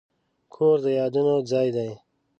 کور د یادونو ځای دی.